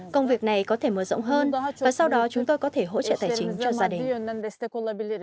công việc này có thể mở rộng hơn và sau đó chúng tôi có thể hỗ trợ tài chính cho gia đình